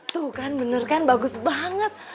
tuh kan bener kan bagus banget